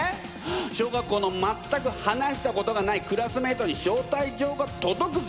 小学校の全く話したことがないクラスメイトに招待状が届くぜ。